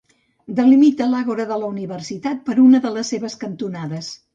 Delimita l'Àgora de la universitat per una de les seves cantonades.